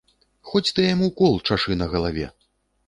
Хоць ты яму кол чашы на галаве!